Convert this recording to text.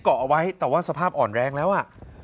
เกาะเอาไว้แต่ว่าสภาพอ่อนแรงแล้วอ่ะ